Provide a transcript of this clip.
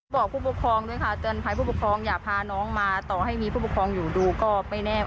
บอกผู้ปกครองด้วยค่ะเตือนภัยผู้ปกครองอย่าพาน้องมาต่อให้มีผู้ปกครองอยู่ดูก็ไม่แน่